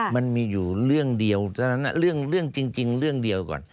มันมีอยู่เรื่องเดียวฉะนั้นเรื่องจริงเรื่องเดียวก่อน